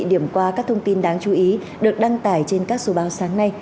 điểm qua các thông tin đáng chú ý được đăng tải trên các số báo sáng nay